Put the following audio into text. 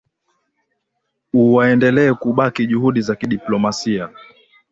u waendelee kubaki juhudi za kidiplomasia